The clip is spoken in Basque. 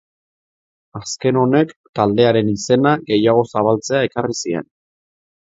Azken honek, taldearen izena gehiago zabaltzea ekarri zien.